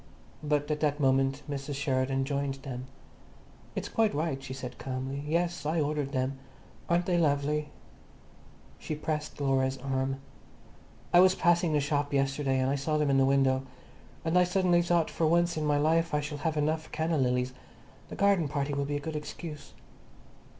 But at that moment Mrs. Sheridan joined them. "It's quite right," she said calmly. "Yes, I ordered them. Aren't they lovely?" She pressed Laura's arm. "I was passing the shop yesterday, and I saw them in the window. And I suddenly thought for once in my life I shall have enough canna lilies. The garden party will be a good excuse."